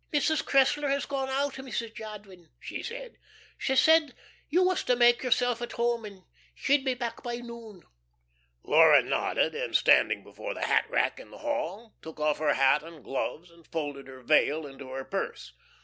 "Mrs. Cressler has gone out, Mrs. Jadwin," she said. "She said you was to make yourself at home, and she'd be back by noon." Laura nodded, and standing before the hatrack in the hall, took off her hat and gloves, and folded her veil into her purse.